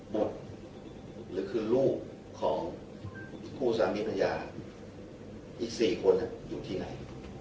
บุตรหรือคือรูปของคู่ซามิพนภายะอีก๔คนน่ะอยู่ที่ไหน